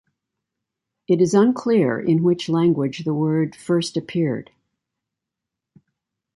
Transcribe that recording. It is unclear in which language the word first appeared.